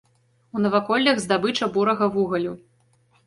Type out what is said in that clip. У наваколлях здабыча бурага вугалю.